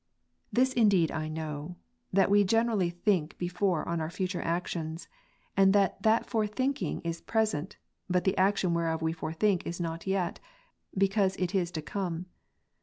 This indeed I know, that we generally think before on our future actions, and that that forethinking is present, but the action whereof we forethink is not yet, because it is to come.